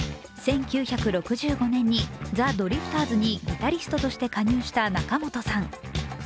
１９６５年にザ・ドリフターズにギタリストとして加入した仲本さん。